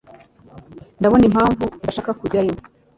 Ndabona impamvu udashaka kujyayo.